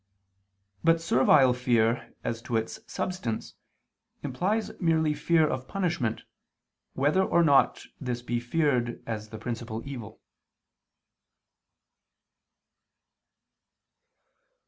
But servile fear, as to its substance, implies merely fear of punishment, whether or not this be feared as the principal evil.